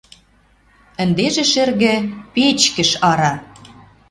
Ӹндежӹ шӹргӹ — печкӹш ара!